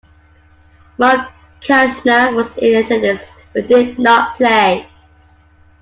Mark Keltner was in attendance but did not play.